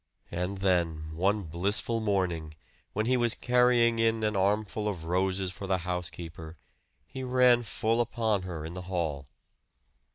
And then, one blissful morning, when he was carrying in an armful of roses for the housekeeper, he ran full upon her in the hall.